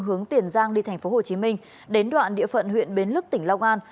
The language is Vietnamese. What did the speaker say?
hướng tiền giang đi tp hcm đến đoạn địa phận huyện bến lức tỉnh long an